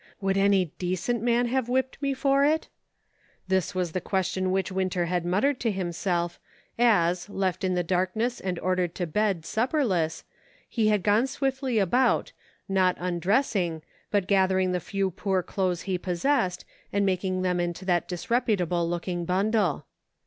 "Would any decent man have whipped me for it }" This was the question which Winter had muttered to himself as, left in 26 IN SEARCH OF HOME. the darkness and ordered to bed, supperless, he had gone swiftly about, not undressing, but gather ing the few poor clothes he possessed, and making them into that disreputable looking bundle.